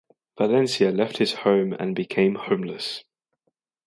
Valencia left his home and became homeless.